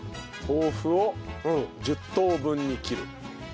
豆腐を１０等分に切る。